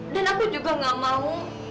dan aku juga gak mau